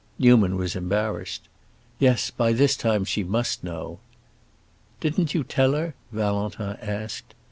Newman was embarrassed. "Yes, by this time she must know." "Didn't you tell her?" Valentin asked.